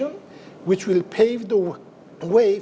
yang akan memanfaatkan